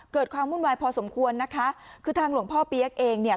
ความวุ่นวายพอสมควรนะคะคือทางหลวงพ่อเปี๊ยกเองเนี่ย